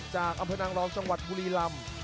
จากอำเภอนางรองจังหวัดบุรีลำ